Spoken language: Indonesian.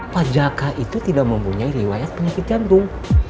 pak jaka itu tidak mempunyai riwayat penyakit jantung